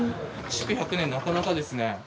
築１００年なかなかですね。